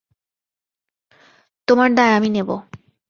তোমার দায় আমি নেব।